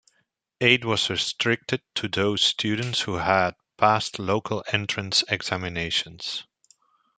Aid was restricted to those students who had passed local entrance examinations.